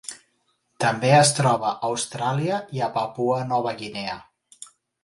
També es troba a Austràlia i a Papua Nova Guinea.